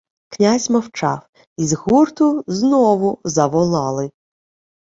Князь мовчав, і з гурту знову заволали: